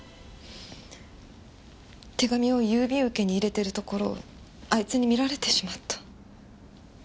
手紙を郵便受けに入れてるところをあいつに見られてしまった。